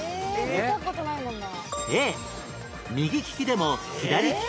見た事ないもんな。